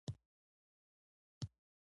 مار هر څومره کوږ شي په غار کې مستقيم ورننوزي.